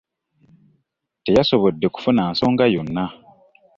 .Teyasobodde kufuna nsonga Yona.